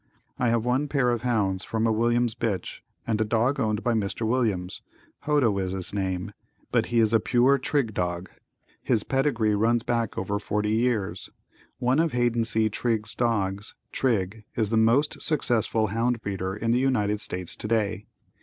I have one pair of hounds from a Williams bitch and a dog owned by Mr. Williams Hodo is his name but he is a pure Trigg dog. His pedigree runs back over forty years. One of Haiden C. Trigg's dogs, Trigg, is the most successful hound breeder in the United States today.